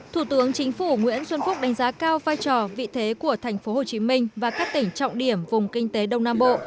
thủ tướng chính phủ nguyễn xuân phúc đánh giá cao vai trò vị thế của tp hcm và các tỉnh trọng điểm vùng kinh tế đông nam bộ